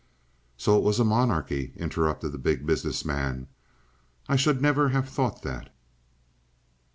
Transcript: "So it was a monarchy?" interrupted the Big Business Man. "I should never have thought that."